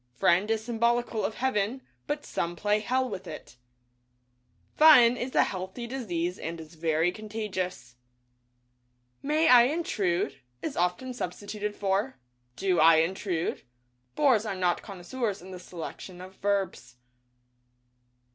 Friend is symbolical of Heaven, but some play Hell with it. Fun is a healthy disease and is very contagious. DAY DREAMS "May I intrude" is often substituted for "Do I intrude" — bores are not connoisseurs in the selection of verbs.